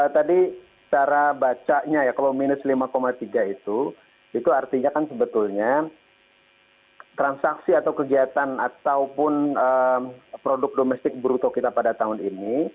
tadi cara bacanya ya kalau minus lima tiga itu itu artinya kan sebetulnya transaksi atau kegiatan ataupun produk domestik bruto kita pada tahun ini